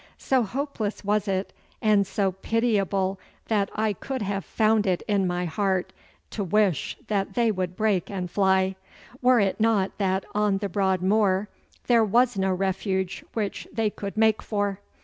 So hopeless was it and so pitiable that I could have found it in my heart to wish that they would break and fly, were it not that on the broad moor there was no refuge which they could make for.